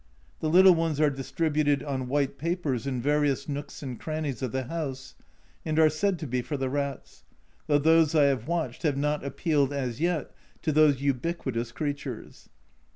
The little ones are distributed on white papers in various nooks and crannies of the house, and are said to be for the rats, though those I have watched have not appealed as yet to those ubiquitous creatures.